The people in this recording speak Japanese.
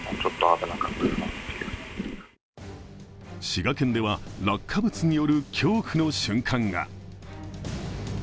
滋賀県では落下物による恐怖の瞬間が。